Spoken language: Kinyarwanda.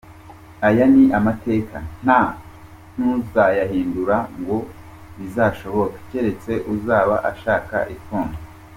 Aya ni amateka, nta n’uzayahindura ngo bizashoboke, cyeretse uzaba ashaka ifuni.